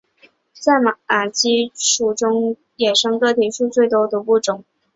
在马鸡属中个野生个体数最多的物种。